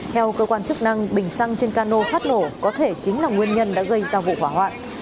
theo cơ quan chức năng bình xăng trên cano phát nổ có thể chính là nguyên nhân đã gây ra vụ hỏa hoạn